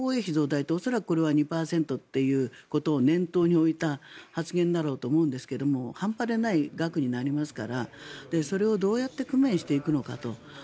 これは恐らく２％ということを念頭に置いた発言だろうと思うんですが半端でない額になりますからそれをどうやって工面していくのかと。